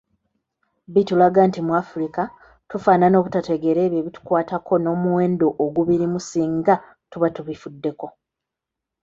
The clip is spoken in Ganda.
Bitulaga nti mu Africa tufaanana obutategeera ebyo ebitukwatako n’omuwendo ogubirimu singa tuba tubifuddeko.